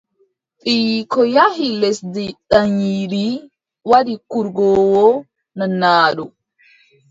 Ɓiyiiko yahi lesdi daayiindi waddi kurgoowo nanaaɗo.